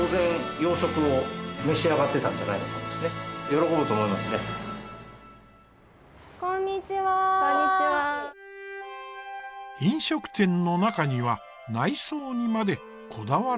飲食店の中には内装にまでこだわる店も。